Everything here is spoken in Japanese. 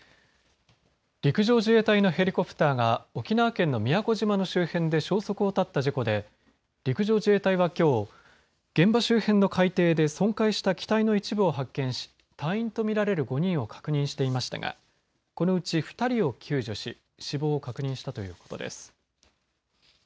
陸上自衛隊のヘリコプターが沖縄県の宮古島の周辺で消息を絶った事故で陸上自衛隊はきょう現場周辺の海底で損壊した機体の一部を発見し隊員とみられる５人を確認していましたがこのうち２人を救助し死亡を確認したということです。